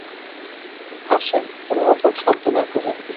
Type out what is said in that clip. হাসেন কোনো রকম শব্দ না করে।